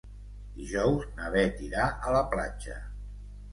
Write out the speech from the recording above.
Dijous na Bet irà a la platja.